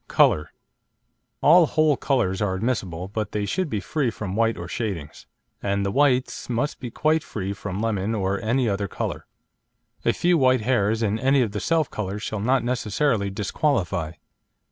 COLOUR All whole colours are admissible, but they should be free from white or shadings, and the whites must be quite free from lemon or any other colour. A few white hairs in any of the self colours shall not necessarily disqualify.